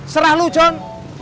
serah lo john